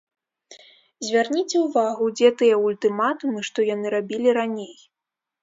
Звярніце ўвагу, дзе тыя ультыматумы, што яны рабілі раней.